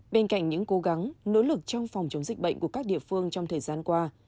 bên cạnh những cố gắng nỗ lực trong phòng chống dịch bệnh của các địa phương trong thời gian qua